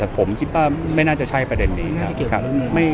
แต่ผมคิดว่าไม่น่าจะใช่ประเด็นนี้นะครับ